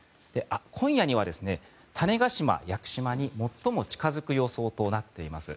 今夜には種子島、屋久島に最も近付く予想となっています。